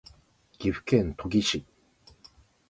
岐阜県土岐市